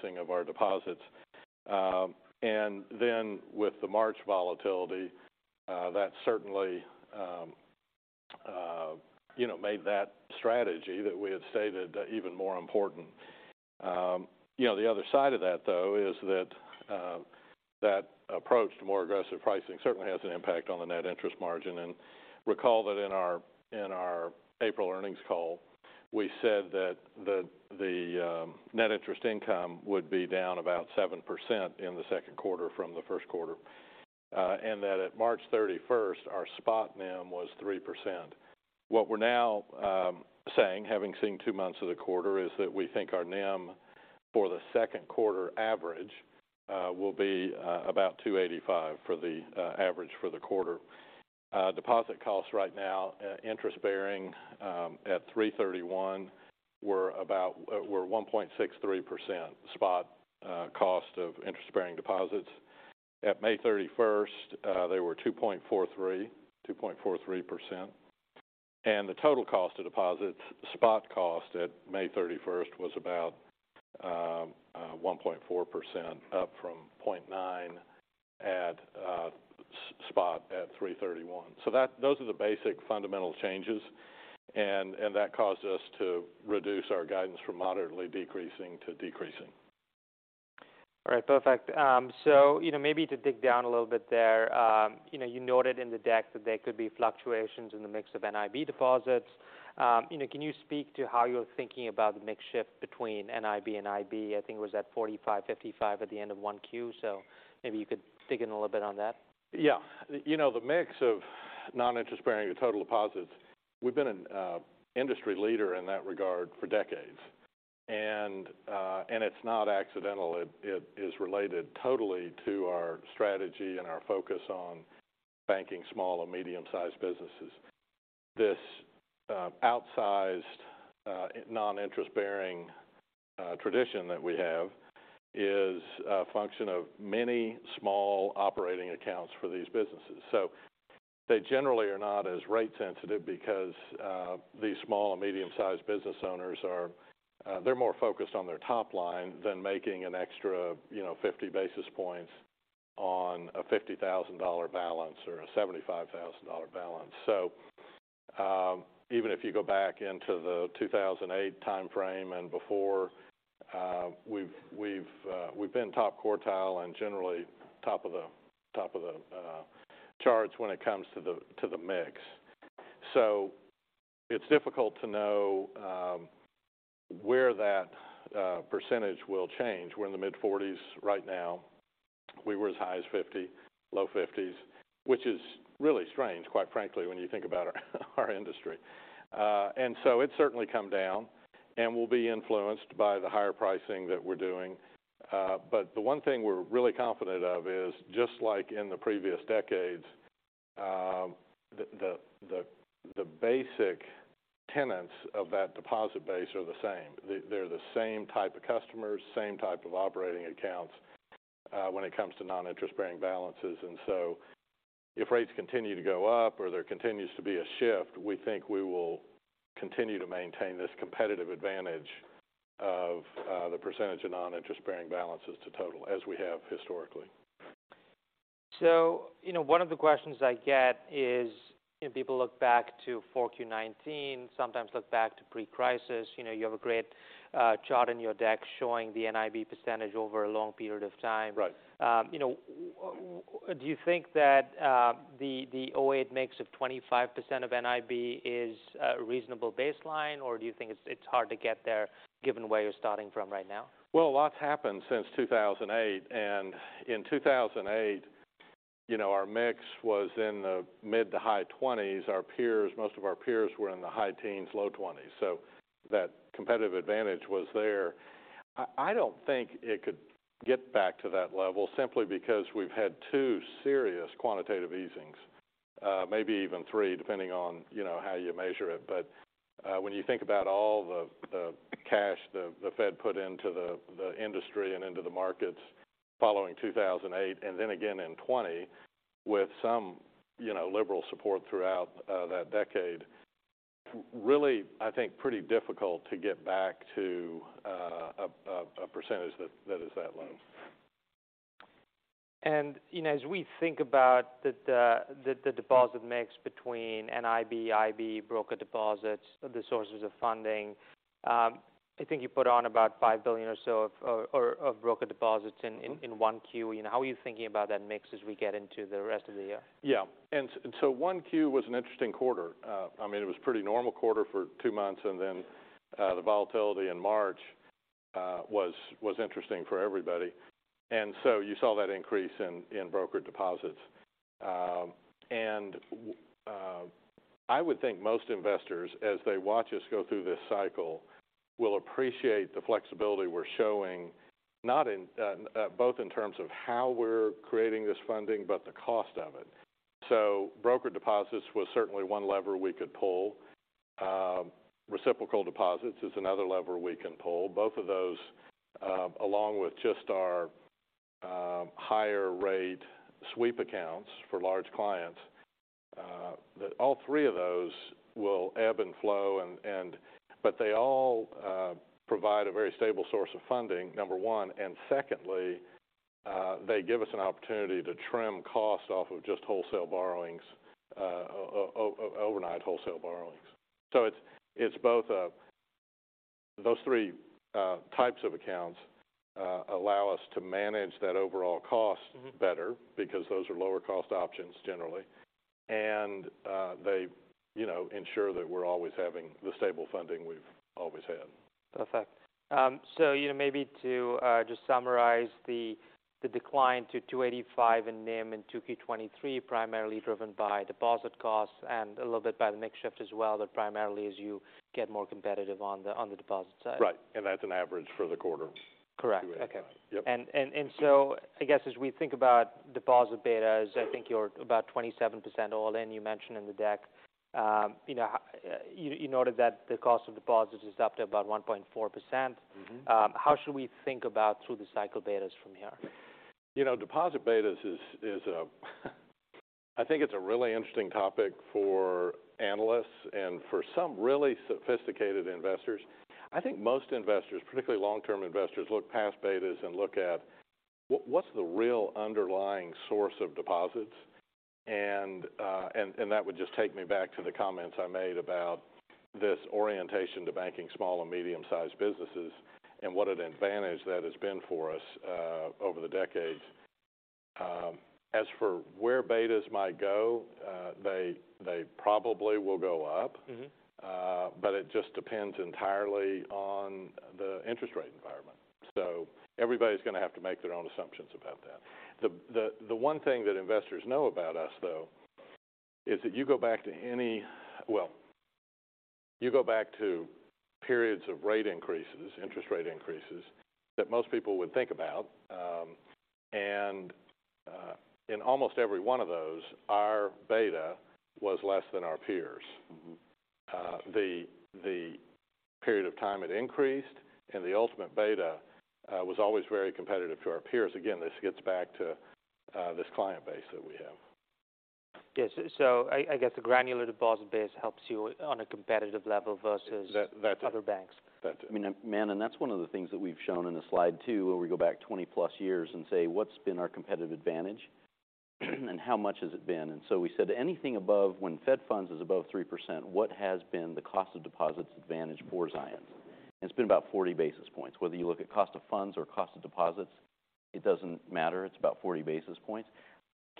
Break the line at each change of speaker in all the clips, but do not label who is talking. pricing of our deposits. With the March volatility, that certainly, you know, made that strategy that we had stated even more important. You know, the other side of that, though, is that that approach to more aggressive pricing certainly has an impact on the net interest margin. Recall that in our April earnings call, we said that the net interest income would be down about 7% in the second quarter from the first quarter. At March 31st, our spot NIM was 3%. What we're now saying, having seen two months of the quarter, is that we think our NIM for the second quarter average will be about 2.85 for the average for the quarter. Deposit costs right now, interest-bearing, at 3/31, were 1.63%, spot, cost of interest-bearing deposits. At May 31st, they were 2.43%. The total cost of deposits, spot cost at May 31st, was about 1.4%, up from 0.9% at spot at 3/31. Those are the basic fundamental changes, and that caused us to reduce our guidance from moderately decreasing to decreasing.
All right. Perfect. You know, maybe to dig down a little bit there, you know, you noted in the deck that there could be fluctuations in the mix of NIB deposits. You know, can you speak to how you're thinking about the mix shift between NIB and IB? I think it was at 45, 55 at the end of Q1. Maybe you could dig in a little bit on that.
Yeah. You know, the mix of non-interest-bearing to total deposits, we've been an industry leader in that regard for decades. It's not accidental. It is related totally to our strategy and our focus on banking small and medium-sized businesses. This outsized non-interest-bearing tradition that we have is a function of many small operating accounts for these businesses. They generally are not as rate sensitive because these small and medium-sized business owners are, they're more focused on their top line than making an extra, you know, 50 basis points on a $50,000 balance or a $75,000 balance. Even if you go back into the 2008 timeframe and before, we've been top quartile and generally top of the charts when it comes to the mix. It's difficult to know where that percentage will change. We're in the mid-40s right now. We were as high as 50, low 50s, which is really strange, quite frankly, when you think about our industry. It's certainly come down and will be influenced by the higher pricing that we're doing. The one thing we're really confident of is, just like in the previous decades, the basic tenets of that deposit base are the same. They're the same type of customers, same type of operating accounts when it comes to non-interest-bearing balances. If rates continue to go up or there continues to be a shift, we think we will continue to maintain this competitive advantage of the percentage of non-interest-bearing balances to total as we have historically.
you know, one of the questions I get is, you know, people look back to 4Q19, sometimes look back to pre-crisis. You know, you have a great chart in your deck showing the NIB% over a long period of time.
Right.
you know, do you think that the 2008 mix of 25% of NIB is a reasonable baseline, or do you think it's hard to get there given where you're starting from right now?
A lot's happened since 2008, and in 2008, you know, our mix was in the mid to high 20s. Our peers, most of our peers were in the high teens, low 20s, so that competitive advantage was there. I don't think it could get back to that level simply because we've had two serious quantitative easings, maybe even three, depending on, you know, how you measure it. But when you think about all the cash the Fed put into the industry and into the markets following 2008, and then again in 2020, with some, you know, liberal support throughout that decade, really, I think, pretty difficult to get back to a percentage that is that low.
you know, as we think about the, the deposit mix between NIB, IB, brokered deposits, the sources of funding, I think you put on about $5 billion or so of brokered deposits.
Mm-hmm
in 1Q. You know, how are you thinking about that mix as we get into the rest of the year?
Yeah. 1Q was an interesting quarter. I mean, it was a pretty normal quarter for two months, then the volatility in March was interesting for everybody. You saw that increase in brokered deposits. I would think most investors, as they watch us go through this cycle, will appreciate the flexibility we're showing, both in terms of how we're creating this funding, but the cost of it. Brokered deposits was certainly one lever we could pull. Reciprocal deposits is another lever we can pull. Both of those, along with just our higher rate sweep accounts for large clients, that all three of those will ebb and flow and they all provide a very stable source of funding, number one. Secondly, they give us an opportunity to trim costs off of just wholesale borrowings, overnight wholesale borrowings. It's both, those three types of accounts, allow us to manage that overall cost.
Mm-hmm
better because those are lower cost options generally. They, you know, ensure that we're always having the stable funding we've always had.
Perfect. you know, maybe to just summarize the decline to 2.85% in NIM in 2Q 2023, primarily driven by deposit costs and a little bit by the mix shift as well, but primarily as you get more competitive on the deposit side.
Right, that's an average for the quarter.
Correct.
285.
Okay.
Yep.
I guess as we think about deposit betas, I think you're about 27% all in, you mentioned in the deck. You know, how you noted that the cost of deposits is up to about 1.4%?
Mm-hmm.
How should we think about through the cycle betas from here?
You know, deposit betas is a, I think it's a really interesting topic for analysts and for some really sophisticated investors. I think most investors, particularly long-term investors, look past betas and look at what's the real underlying source of deposits? That would just take me back to the comments I made about this orientation to banking small and medium-sized businesses, and what an advantage that has been for us over the decades. As for where betas might go, they probably will go up.
Mm-hmm.
It just depends entirely on the interest rate environment. Everybody's going to have to make their own assumptions about that. The one thing that investors know about us, though, is that you go back to periods of rate increases, interest rate increases, that most people would think about, in almost every one of those, our beta was less than our peers.
Mm-hmm.
The period of time it increased and the ultimate beta was always very competitive to our peers. This gets back to this client base that we have.
Yes. I guess the granular deposit base helps you on a competitive level versus-
That
other banks.
That-
I mean, Man, that's one of the things that we've shown in the slide two, where we go back 20+ years and say, "What's been our competitive advantage, and how much has it been?" We said anything above when Fed Funds is above 3%, what has been the cost of deposits advantage for Zions? It's been about 40 basis points. Whether you look at cost of funds or cost of deposits, it doesn't matter. It's about 40 basis points.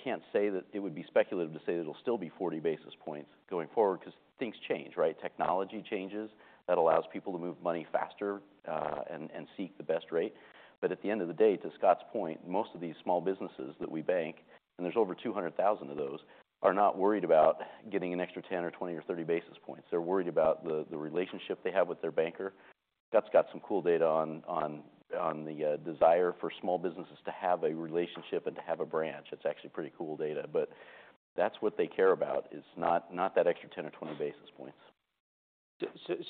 Can't say that it would be speculative to say that it'll still be 40 basis points going forward because things change, right? Technology changes. That allows people to move money faster, and seek the best rate. At the end of the day, to Scott's point, most of these small businesses that we bank, and there's over 200,000 of those, are not worried about getting an extra 10 or 20 or 30 basis points. They're worried about the relationship they have with their banker. Scott's got some cool data on the desire for small businesses to have a relationship and to have a branch. It's actually pretty cool data. That's what they care about. It's not that extra 10 or 20 basis points.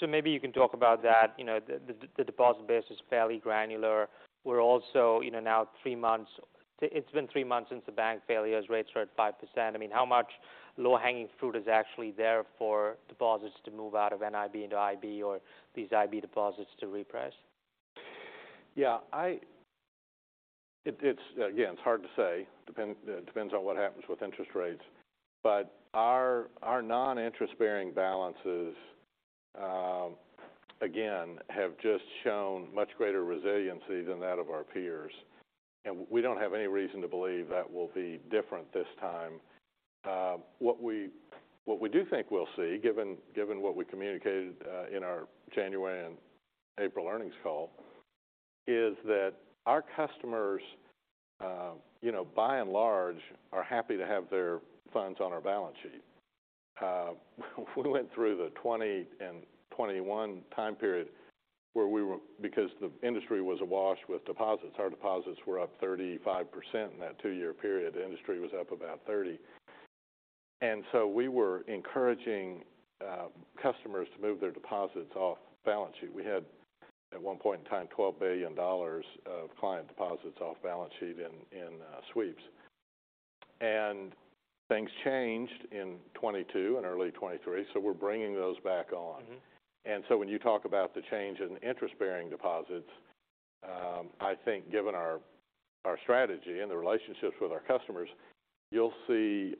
maybe you can talk about that. You know, the deposit base is fairly granular. We're also, you know, now three months since the bank failures, rates are at 5%. I mean, how much low-hanging fruit is actually there for deposits to move out of NIB into IB or these IB deposits to reprice?
Yeah, it's, again, it's hard to say. Depends on what happens with interest rates. Our non-interest-bearing balances, again, have just shown much greater resiliency than that of our peers, and we don't have any reason to believe that will be different this time. What we do think we'll see, given what we communicated in our January and April earnings call, is that our customers, you know, by and large, are happy to have their funds on our balance sheet. We went through the 2020 and 2021 time period, because the industry was awash with deposits, our deposits were up 35% in that two-year period. The industry was up about 30%. We were encouraging customers to move their deposits off balance sheet. We had, at one point in time, $12 billion of client deposits off balance sheet in sweeps. Things changed in 2022 and early 2023, we're bringing those back on.
Mm-hmm.
When you talk about the change in interest-bearing deposits, I think given our strategy and the relationships with our customers, you'll see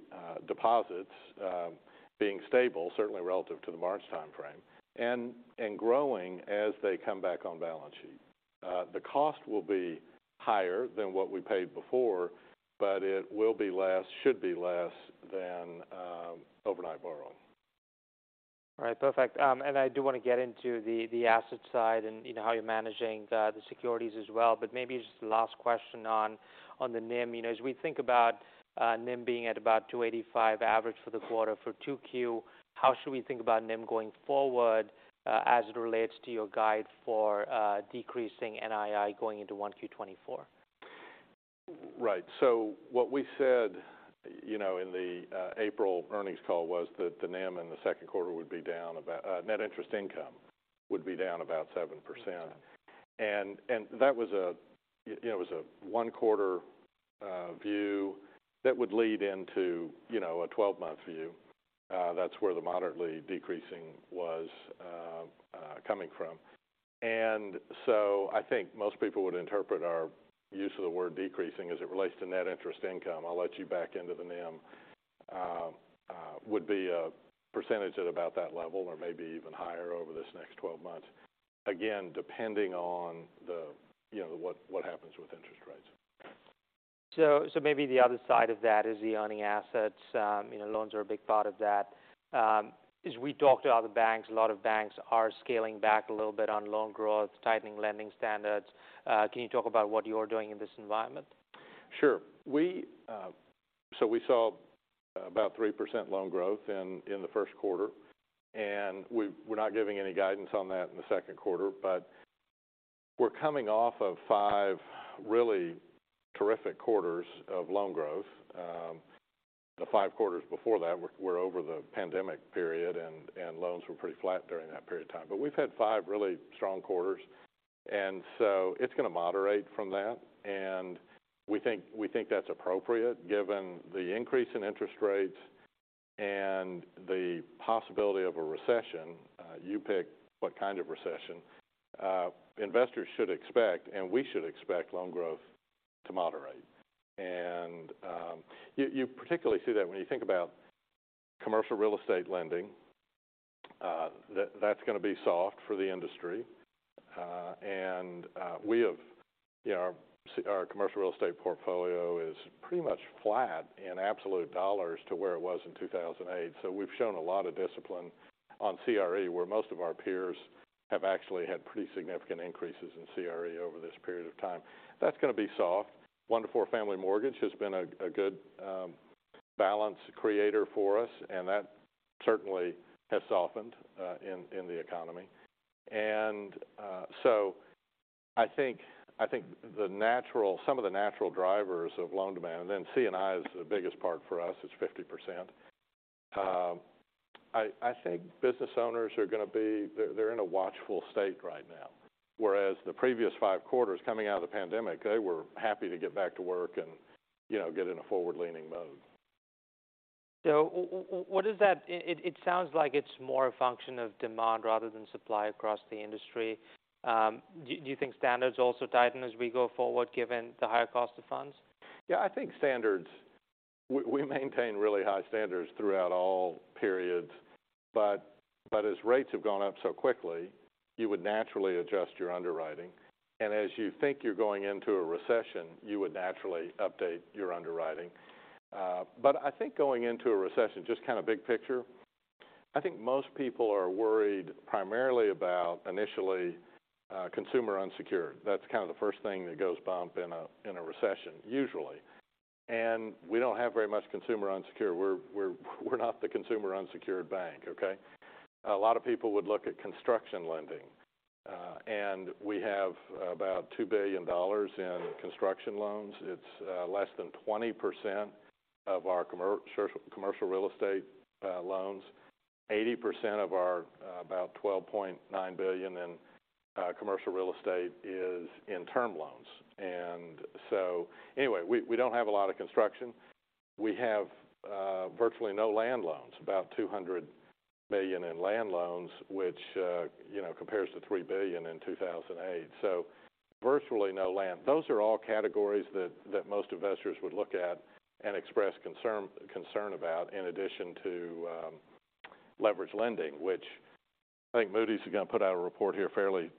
deposits being stable, certainly relative to the March timeframe, and growing as they come back on balance sheet. The cost will be higher than what we paid before, but it will be less, should be less than overnight borrowing.
All right. Perfect. And I do want to get into the asset side and, you know, how you're managing the securities as well. Maybe just the last question on the NIM. You know, as we think about NIM being at about 2.85 average for the quarter for 2Q, how should we think about NIM going forward as it relates to your guide for decreasing NII going into 1Q 2024?
Right. you know, in the April earnings call was that net interest income would be down about 7%. that was a, you know, it was a one-quarter view that would lead into, you know, a 12-month view. That's where the moderately decreasing was coming from. I think most people would interpret our use of the word decreasing as it relates to net interest income. I'll let you back into the NIM, would be a percentage at about that level, or maybe even higher over this next 12 months. Again, depending on the, you know, what happens with interest rates.
Maybe the other side of that is the earning assets. you know, loans are a big part of that. As we talk to other banks, a lot of banks are scaling back a little bit on loan growth, tightening lending standards. Can you talk about what you're doing in this environment?
Sure. We saw about 3% loan growth in the first quarter, and we're not giving any guidance on that in the second quarter. We're coming off of 5 really terrific quarters of loan growth. The five quarters before that were over the pandemic period, and loans were pretty flat during that period of time. We've had five really strong quarters, it's going to moderate from that, and we think that's appropriate given the increase in interest rates and the possibility of a recession. You pick what kind of recession. Investors should expect, and we should expect loan growth to moderate. You particularly see that when you think about commercial real estate lending, that's going to be soft for the industry. We have... You know, our commercial real estate portfolio is pretty much flat in absolute dollar to where it was in 2008. We've shown a lot of discipline on CRE, where most of our peers have actually had pretty significant increases in CRE over this period of time. That's going to be soft. One to four family mortgage has been a good balance creator for us, and that certainly has softened in the economy. I think some of the natural drivers of loan demand, and then C&I is the biggest part for us, is 50%. I think business owners. They're in a watchful state right now, whereas the previous five quarters coming out of the pandemic, they were happy to get back to work and, you know, get in a forward-leaning mode.
What does that. It sounds like it's more a function of demand rather than supply across the industry. Do you think standards also tighten as we go forward, given the higher cost of funds?
I think we maintain really high standards throughout all periods, but as rates have gone up so quickly, you would naturally adjust your underwriting. As you think you're going into a recession, you would naturally update your underwriting. I think going into a recession, just kind of big picture, I think most people are worried primarily about initially, consumer unsecured. That's kind of the first thing that goes bump in a recession, usually. We don't have very much consumer unsecured. We're not the consumer unsecured bank, okay? A lot of people would look at construction lending, we have about $2 billion in construction loans. It's less than 20% of our commercial real estate loans. 80% of our about $12.9 billion in commercial real estate is in term loans. Anyway, we don't have a lot of construction. We have virtually no land loans, about $200 million in land loans, which, you know, compares to $3 billion in 2008. Virtually no land. Those are all categories that most investors would look at and express concern about, in addition to leveraged lending, which I think Moody's is going to put out a report here fairly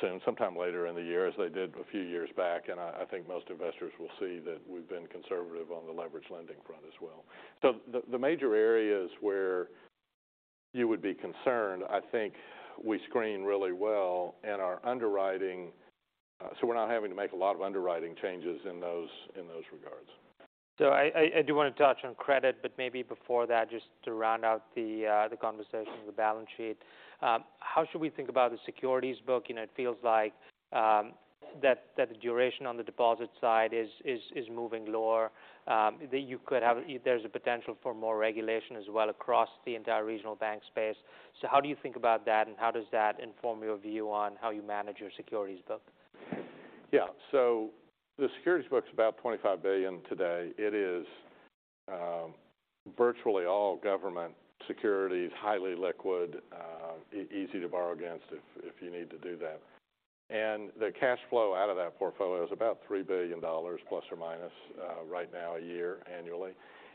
soon, sometime later in the year, as they did a few years back. I think most investors will see that we've been conservative on the leveraged lending front as well. The, the major areas where you would be concerned, I think we screen really well and our underwriting. We're not having to make a lot of underwriting changes in those, in those regards.
I do want to touch on credit, but maybe before that, just to round out the conversation on the balance sheet. How should we think about the securities book? You know, it feels like that the duration on the deposit side is moving lower, there's a potential for more regulation as well across the entire regional bank space. How do you think about that, and how does that inform your view on how you manage your securities book?
The securities book is about $25 billion today. It is virtually all government securities, highly liquid, easy to borrow against if you need to do that. The cash flow out of that portfolio is about $3 billion, + or -, right now, a year, annually.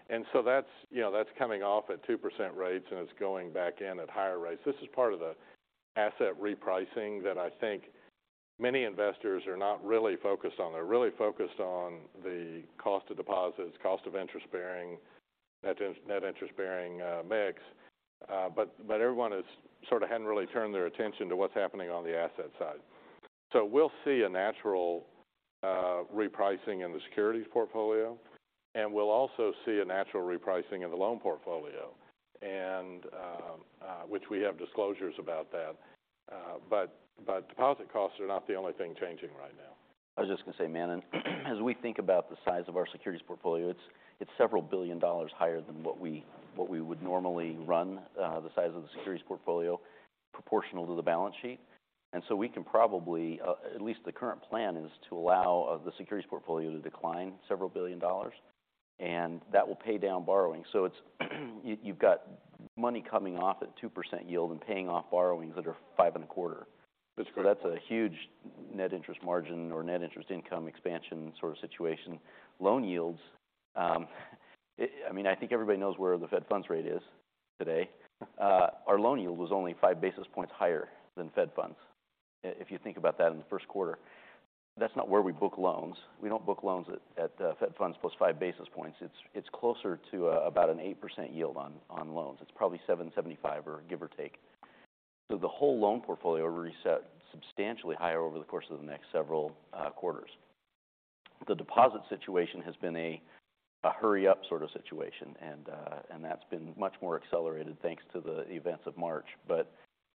That's, you know, that's coming off at 2% rates, and it's going back in at higher rates. This is part of the asset repricing that I think many investors are not really focused on. They're really focused on the cost of deposits, cost of interest-bearing, net interest-bearing mix. Everyone sort of hadn't really turned their attention to what's happening on the asset side. We'll see a natural repricing in the securities portfolio, and we'll also see a natural repricing in the loan portfolio, and which we have disclosures about that. But deposit costs are not the only thing changing right now. I was just going to say, Manan, as we think about the size of our securities portfolio, it's several billion dollars higher than what we would normally run, the size of the securities portfolio proportional to the balance sheet. We can probably, at least the current plan, is to allow the securities portfolio to decline several billion dollars, and that will pay down borrowing. It's, you've got money coming off at 2% yield and paying off borrowings that are 5.25%. That's a huge net interest margin or net interest income expansion sort of situation. Loan yields, I mean, I think everybody knows where the Fed funds rate is today. Our loan yield was only 5 basis points higher than Fed funds. If you think about that in the first quarter, that's not where we book loans. We don't book loans at Fed funds +5 basis points. It's closer to about an 8% yield on loans. It's probably 7.75 or give or take. The whole loan portfolio will reset substantially higher over the course of the next several quarters. The deposit situation has been a hurry-up sort of situation, and that's been much more accelerated thanks to the events of March.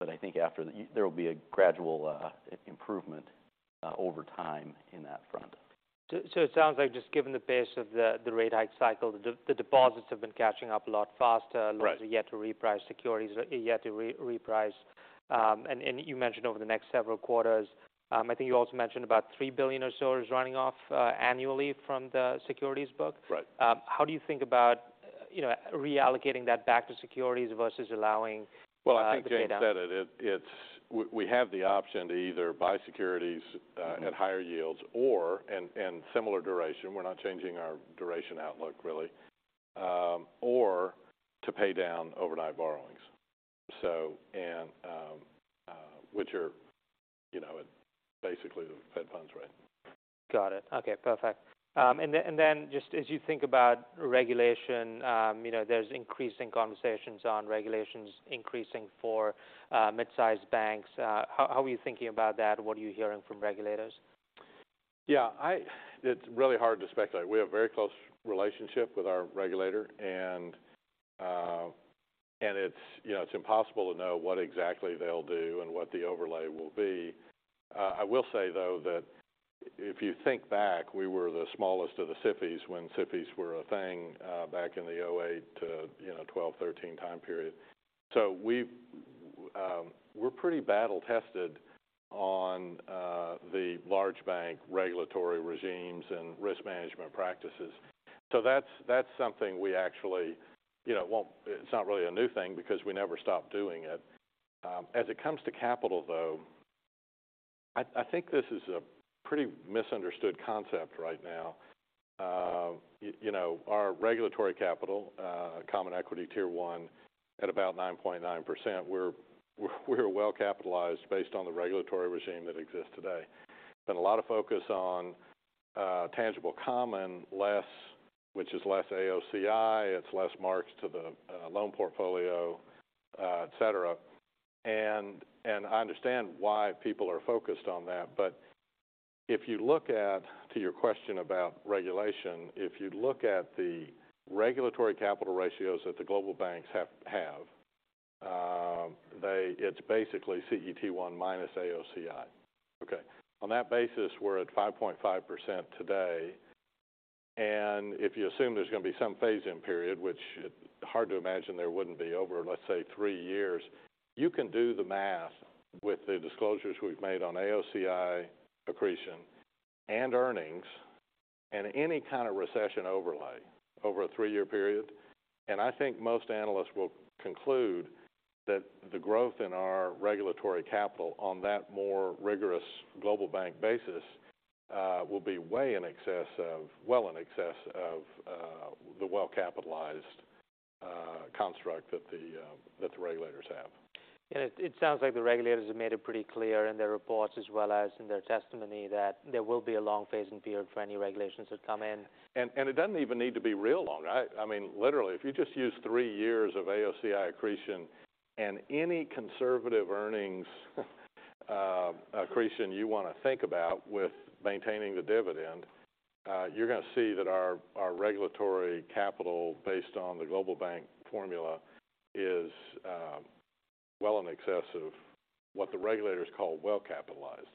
I think after the... There will be a gradual, improvement, over time in that front.
It sounds like just given the pace of the rate hike cycle, the deposits have been catching up a lot faster...
Right.
and you have to reprice securities, you have to reprice. You mentioned over the next several quarters. I think you also mentioned about $3 billion or so is running off annually from the securities book.
Right.
How do you think about, you know, reallocating that back to securities versus allowing?
Well, I think James said it. We have the option to either buy securities at higher yields and similar duration, we're not changing our duration outlook, really, or to pay down overnight borrowings, which are, you know, basically the Fed funds rate.
Got it. Okay, perfect. Just as you think about regulation, you know, there's increasing conversations on regulations increasing for mid-sized banks. How are you thinking about that? What are you hearing from regulators?
It's really hard to speculate. We have a very close relationship with our regulator, and it's, you know, impossible to know what exactly they'll do and what the overlay will be. I will say, though, that if you think back, we were the smallest of the SIFIs when SIFIs were a thing, back in the 2008 to, you know, 2012, 2013 time period. We've, we're pretty battle-tested on the large bank regulatory regimes and risk management practices. That's something we actually, you know, well, it's not really a new thing because we never stopped doing it. As it comes to capital, though, I think this is a pretty misunderstood concept right now. You know, our regulatory capital, Common Equity Tier 1 at about 9.9%. We're well capitalized based on the regulatory regime that exists today. Been a lot of focus on tangible common Which is less AOCI, it's less marks to the loan portfolio, et cetera. I understand why people are focused on that. If you look at, to your question about regulation, if you look at the regulatory capital ratios that the global banks have, it's basically CET1 minus AOCI. Okay. On that basis, we're at 5.5% today, and if you assume there's going to be some phase-in period, which hard to imagine there wouldn't be, over, let's say, three years, you can do the math with the disclosures we've made on AOCI accretion and earnings and any kind of recession overlay over a three year period. I think most analysts will conclude that the growth in our regulatory capital on that more rigorous global bank basis, will be well in excess of, the well-capitalized construct that the, that the regulators have.
It sounds like the regulators have made it pretty clear in their reports, as well as in their testimony, that there will be a long phase-in period for any regulations that come in.
It doesn't even need to be real long. I mean, literally, if you just use three years of AOCI accretion and any conservative earnings accretion you want to think about with maintaining the dividend, you're going to see that our regulatory capital, based on the global bank formula, is well in excess of what the regulators call well capitalized.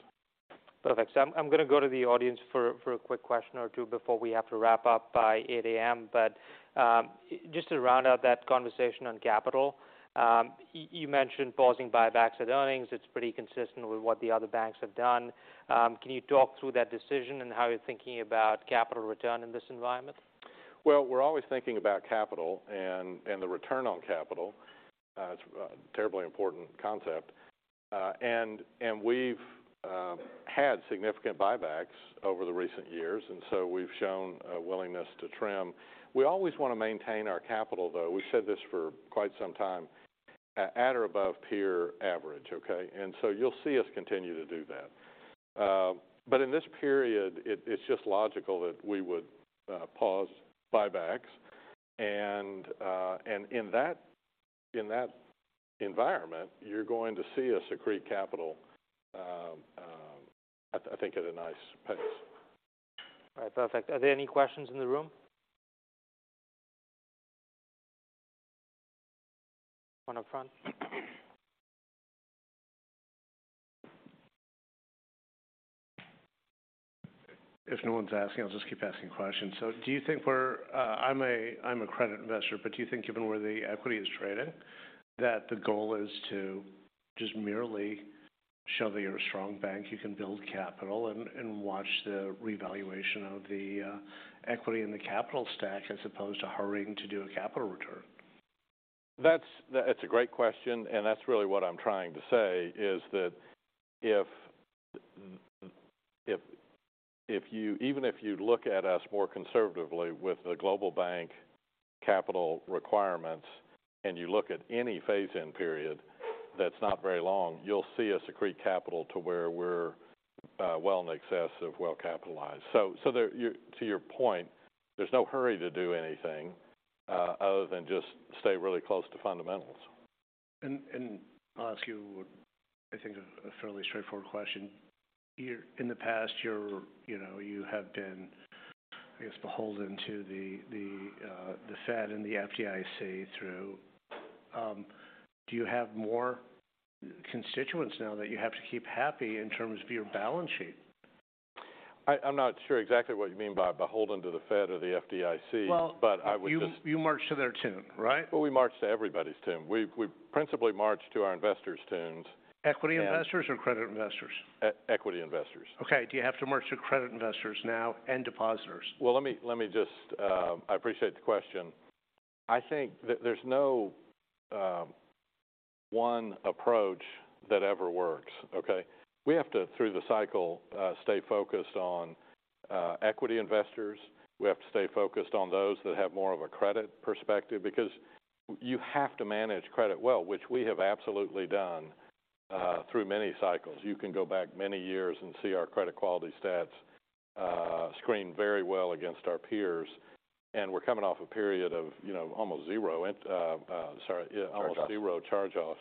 Perfect. I'm going to go to the audience for a quick question or two before we have to wrap up by 8:00 A.M. Just to round out that conversation on capital, you mentioned pausing buybacks and earnings. It's pretty consistent with what the other banks have done. Can you talk through that decision and how you're thinking about capital return in this environment?
We're always thinking about capital and the return on capital. It's a terribly important concept. And we've had significant buybacks over the recent years, we've shown a willingness to trim. We always want to maintain our capital, though. We've said this for quite some time, at or above peer average, okay? You'll see us continue to do that. In this period, it's just logical that we would pause buybacks and in that environment, you're going to see us accrete capital at, I think, at a nice pace.
All right. Perfect. Are there any questions in the room? One up front. If no one's asking, I'll just keep asking questions. Do you think we're I'm a credit investor, but do you think given where the equity is trading, that the goal is to just merely show that you're a strong bank, you can build capital and watch the revaluation of the equity in the capital stack, as opposed to hurrying to do a capital return?
That's a great question. That's really what I'm trying to say, is that if you even if you look at us more conservatively with the global bank capital requirements, and you look at any phase-in period that's not very long, you'll see us accrete capital to where we're well in excess of well-capitalized. There, to your point, there's no hurry to do anything other than just stay really close to fundamentals.
I'll ask you what I think is a fairly straightforward question. In the past, you know, you have been, I guess, beholden to the Fed and the FDIC through. Do you have more constituents now that you have to keep happy in terms of your balance sheet?
I'm not sure exactly what you mean by beholden to the Fed or the FDIC.
Well-
I would just-
You march to their tune, right?
Well, we march to everybody's tune. We principally march to our investors' tunes.
Equity investors-
And-
Credit investors?
equity investors.
Okay. Do you have to march to credit investors now and depositors?
Well, let me just. I appreciate the question. I think that there's no one approach that ever works, okay? We have to, through the cycle, stay focused on equity investors. We have to stay focused on those that have more of a credit perspective, because you have to manage credit well, which we have absolutely done through many cycles. You can go back many years and see our credit quality stats screen very well against our peers, and we're coming off a period of, you know, almost zero.
Charge-offs.
Yeah, almost zero charge-offs.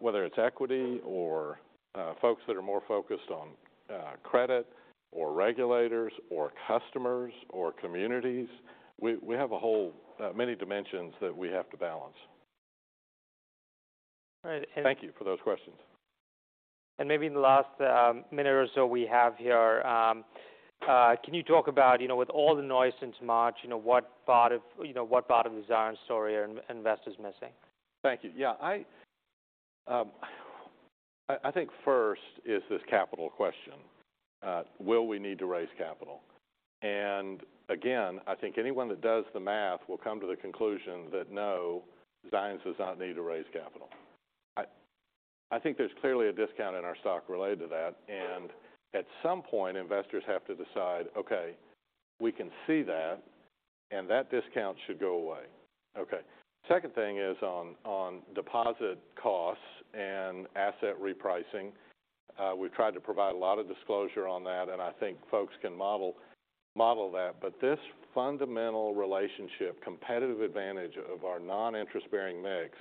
Whether it's equity or folks that are more focused on credit or regulators or customers or communities, we have a whole many dimensions that we have to balance.
All right.
Thank you for those questions.
Maybe in the last minute or so we have here, can you talk about, you know, with all the noise since March, you know, what part of the Zions story are investors missing?
Thank you. Yeah, I think first is this capital question. Will we need to raise capital? Again, I think anyone that does the math will come to the conclusion that no, Zions does not need to raise capital. I think there's clearly a discount in our stock related to that. At some point, investors have to decide, "Okay, we can see that, and that discount should go away." Second thing is on deposit costs and asset repricing. We've tried to provide a lot of disclosure on that, and I think folks can model that. This fundamental relationship, competitive advantage of our non-interest-bearing mix,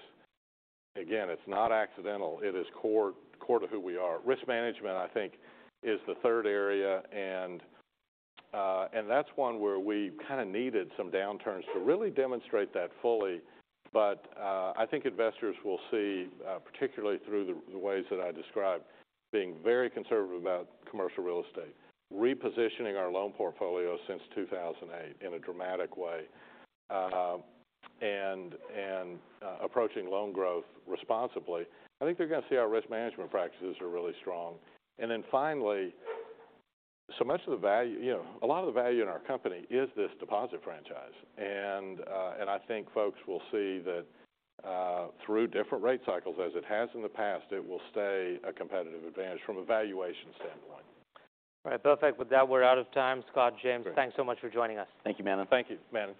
again, it's not accidental. It is core to who we are. Risk management, I think, is the third area, and that's one where we've kind of needed some downturns to really demonstrate that fully. I think investors will see, particularly through the ways that I described, being very conservative about commercial real estate, repositioning our loan portfolio since 2008 in a dramatic way, and approaching loan growth responsibly. I think they're going to see our risk management practices are really strong. Finally, so much of the value, you know, a lot of the value in our company is this deposit franchise. I think folks will see that, through different rate cycles, as it has in the past, it will stay a competitive advantage from a valuation standpoint.
All right, perfect. With that, we're out of time. Scott McLean-
Great.
Thanks so much for joining us.
Thank you, Manan.